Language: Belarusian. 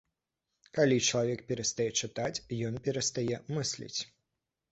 Калі чалавек перастае чытаць, ён перастае мысліць.